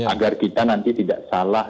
agar kita nanti tidak salah